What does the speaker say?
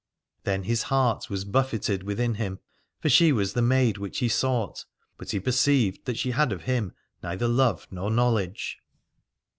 Then his heart was buffeted within him, for she was the maid which he sought, but he per ceived that she had of him neither love nor knowledge.